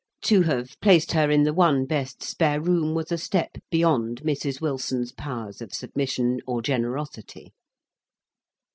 To have placed her in the one best spare room was a step beyond Mrs. Wilson's powers of submission or generosity.